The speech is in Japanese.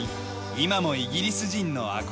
今もイギリス人の憧れの地